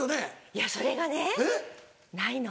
いやそれがねないの。